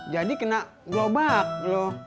jadi kena globak lu